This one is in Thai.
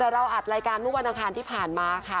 แต่เราอัดรายการตอนที่ผ่านมาค่ะ